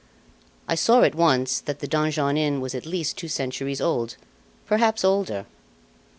I saw at once that the Donjon Inn was at least two centuries old perhaps older.